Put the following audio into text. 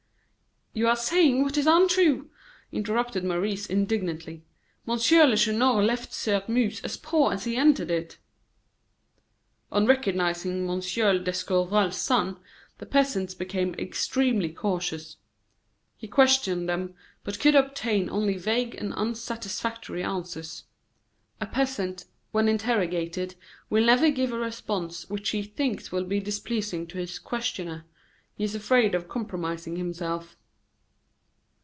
"You are saying what is untrue!" interrupted Maurice, indignantly. "Monsieur Lacheneur left Sairmeuse as poor as he entered it." On recognizing M. d'Escorval's son, the peasants became extremely cautious. He questioned them, but could obtain only vague and unsatisfactory answers. A peasant, when interrogated, will never give a response which he thinks will be displeasing to his questioner; he is afraid of compromising himself.